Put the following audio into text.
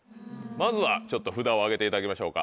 まずはちょっと札を上げていただきましょうか。